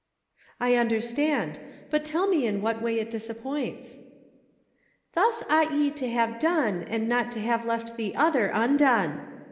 " I understand ; but tell me in what way it disap points.'' "* Thus ought ye to have done, and not to have left the other undone.'